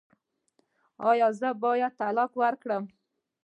ایا زه باید طلاق ورکړم؟